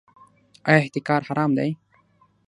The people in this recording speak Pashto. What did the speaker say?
آیا احتکار حرام دی؟